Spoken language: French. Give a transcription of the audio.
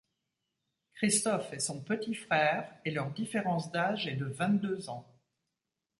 Christophe est son petit frère, et leur différence d'âge est de vingt deux ans.